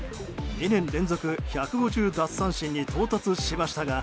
２年連続１５０奪三振に到達しましたが